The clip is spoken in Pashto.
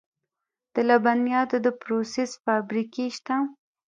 د لبنیاتو د پروسس فابریکې شته